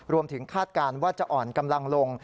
คาดการณ์ว่าจะอ่อนกำลังลง